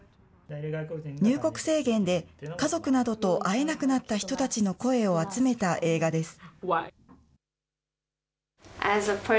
入国制限で、家族などと会えなくなった人たちの声を集めた映画です。